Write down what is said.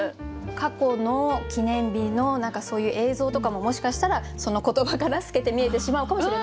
過去の記念日の何かそういう映像とかももしかしたらその言葉から透けて見えてしまうかもしれないですよね。